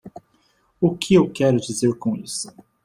O que eu quero dizer com isso?